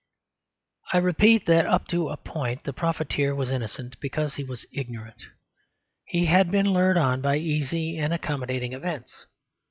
I repeat that up to a point the profiteer was innocent because he was ignorant; he had been lured on by easy and accommodating events.